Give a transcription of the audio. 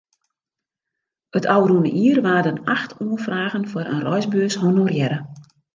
It ôfrûne jier waarden acht oanfragen foar in reisbeurs honorearre.